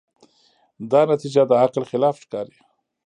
دا نتیجه د عقل خلاف ښکاري.